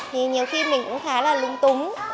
thì nhiều khi mình cũng khá là lung túng